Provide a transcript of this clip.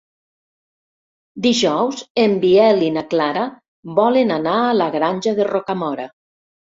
Dijous en Biel i na Clara volen anar a la Granja de Rocamora.